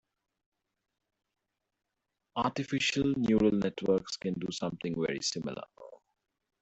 Artificial neural networks can do something very similar.